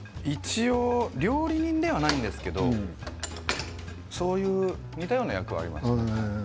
一応料理人ではないんですけれどもそういう似たような役はありますね。